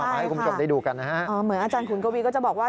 มาให้คุณผู้ชมได้ดูกันนะฮะอ๋อเหมือนอาจารย์ขุนกวีก็จะบอกว่า